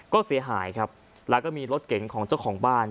ก็เสียหายครับแล้วก็มีรถเก๋งของเจ้าของบ้าน